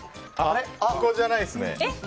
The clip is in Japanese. ここじゃないですね。